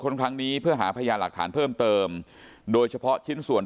ครั้งนี้เพื่อหาพยานหลักฐานเพิ่มเติมโดยเฉพาะชิ้นส่วน